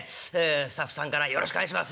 スタッフさんからよろしくお願いします